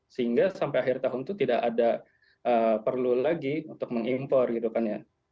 sehingga sampai akhir tahun itu tidak ada perlu lagi untuk mengimpor gitu kan ya